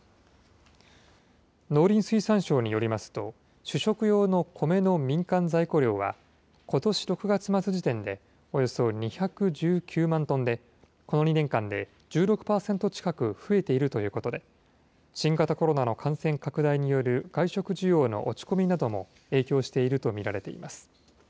農林水産省によりますと、主食用のコメの民間在庫量は、ことし６月末時点で、およそ２１９万トンで、この２年間で１６％近く増えているということで、新型コロナの感染拡大による外食需要の落ち込みなども影響していると見られています。